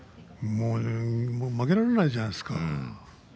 負けられないじゃないですか。